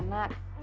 aku mau ikutan dong